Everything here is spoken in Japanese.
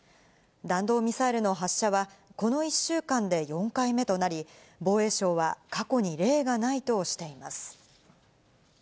弾道ミサイルの発射は、この１週間で４回目となり、防衛省は過去に例がないとしています。